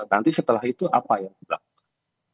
nanti setelah itu apa yang dilakukan